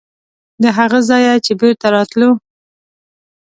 د هغه ځایه چې بېرته راتلو.